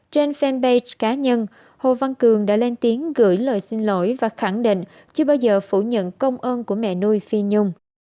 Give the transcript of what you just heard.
trên fanpage cá nhân hồ văn cường đã lên tiếng gửi lời xin lỗi và khẳng định chưa bao giờ phủ nhận công ơn của mẹ nuôi phi nhung